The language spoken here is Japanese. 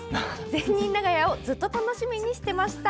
「善人長屋」ずっと楽しみにしてました。